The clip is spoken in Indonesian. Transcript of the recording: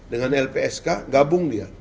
dengan lpsk gabung dia